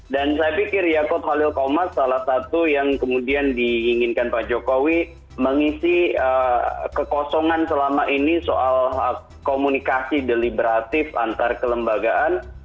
dan saya pikir yaakob halil komas salah satu yang kemudian diinginkan pak jokowi mengisi kekosongan selama ini soal komunikasi deliberatif antar kelembagaan